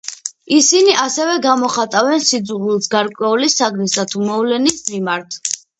ისინი ასევე გამოხატავენ სიძულვილს გარკვეული საგნისა თუ მოვლენის მიმართ.